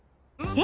え！